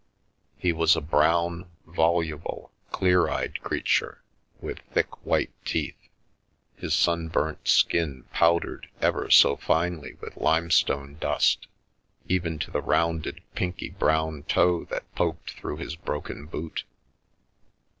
He was a brown, voluble, clear eyed crea ture, with thick white teeth, his sunburnt skin powdered ,+Qjs. Via Amoris ever so finely with limestone dust, even to the rounded pinky brown toe that poked through his broken boot.